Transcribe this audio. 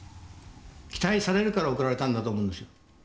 期待されるから送られたんだと思うんですよ。